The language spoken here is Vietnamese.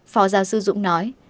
phó giáo sư dũng nói